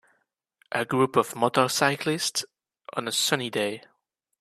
A group of motorcyclists on a sunny day.